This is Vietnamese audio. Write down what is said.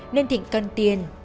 nên thịnh cân tiền